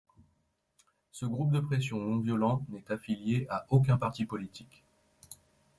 Ce groupe de pression non-violent n'est affilié à aucun parti politique.